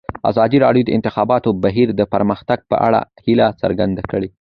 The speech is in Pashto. ازادي راډیو د د انتخاباتو بهیر د پرمختګ په اړه هیله څرګنده کړې.